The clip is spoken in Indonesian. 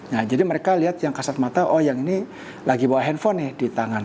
nah jadi mereka lihat yang kasat mata oh yang ini lagi bawa handphone nih di tangan